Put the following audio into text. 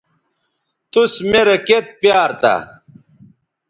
توس میرے کیئت پیار تھا